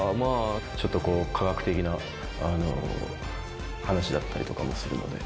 ちょっと科学的な話だったりとかもするので。